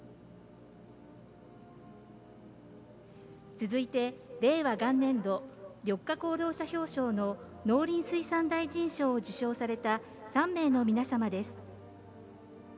続いて、令和元年度「緑化功労者表彰」の農林水産大臣賞を受賞された３名の皆様です。